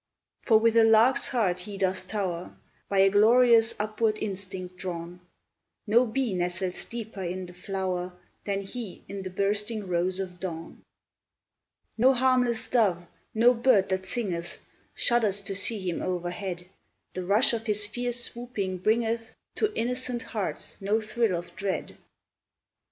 For with a lark's heart he doth tower, By a glorious, upward instinct drawn; No bee nestles deeper in the flower Than he in the bursting rose of dawn. No harmless dove, no bird that singeth, Shudders to see him overhead; The rush of his fierce swooping bringeth To innocent hearts no thrill of dread.